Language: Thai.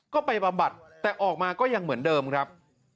ก็ไปบำบัดแต่ออกมาก็ยังเหมือนเดิมครับ